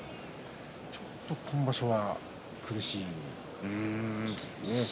ちょっと今場所は苦しいですね。